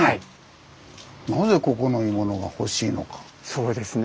そうですね。